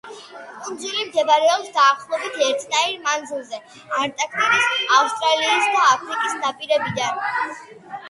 კუნძული მდებარეობს დაახლოებით ერთნაირ მანძილზე ანტარქტიდის, ავსტრალიის და აფრიკის ნაპირებიდან.